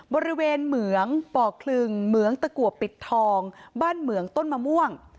บริเวณเหมืองป่อคลึงเหมืองตะกัวปิดทองบ้านเหมืองต้นมะม่วง